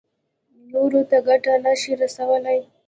نورو ته ګټه نه شي رسولی.